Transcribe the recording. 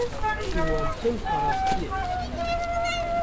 û wan tim parastiye.